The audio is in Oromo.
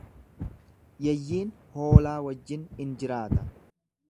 Yeyyiin hoolaa wajjin in jiraata.